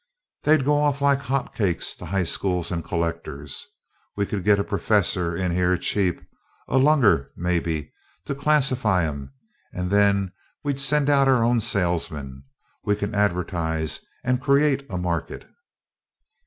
They'd go off like hot cakes to high schools and collectors. We could get a professor in here cheap a lunger, maybe to classify 'em, and then we'd send out our own salesman. We can advertise and create a market.